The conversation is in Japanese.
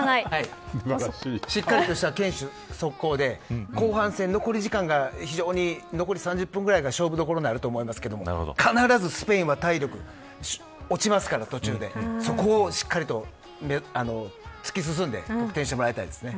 しっかりとした堅守、速攻で後半戦残り３０分ぐらいが勝負どころになると思いますが必ずスペインは体力が落ちますから、途中でそこをしっかりと突き進んで得点してもらいたいですね。